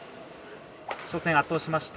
初戦、圧倒しました。